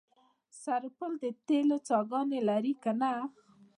سرپل د تیلو څاګانې لري که نه؟